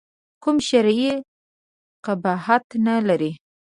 کوم شرعي قباحت نه لري.